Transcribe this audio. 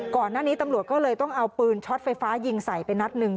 ก่อนหน้านี้ตำรวจก็เลยต้องเอาปืนช็อตไฟฟ้ายิงใส่ไปนัดหนึ่ง